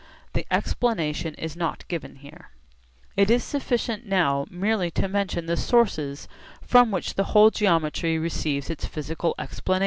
The explanation is not given here. It is sufficient now merely to mention the sources from which the whole of geometry receives its physical explanation.